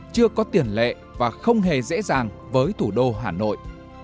chưa có tiền lệ và không hề dễ dàng với thủ đô hà nội